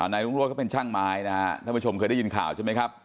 นายรุ่งโรธเขาเป็นช่างไม้นะฮะท่านผู้ชมเคยได้ยินข่าวใช่ไหมครับ